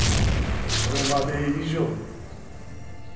これまで以上に。